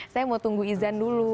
saya mau tunggu izan dulu